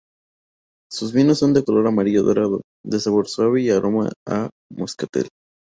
Sus vinos son de color amarillo dorado, de sabor suave y aroma a moscatel.